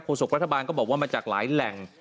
ศกรัฐบาลก็บอกว่ามาจากหลายแหล่ง